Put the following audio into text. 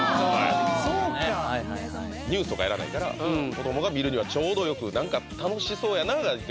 そうかニュースとかやらないから子どもが見るにはちょうどよく何か楽しそうやななんて